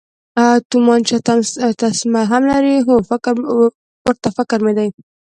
تومانچه تسمه هم لري، هو، ورته فکر مې دی.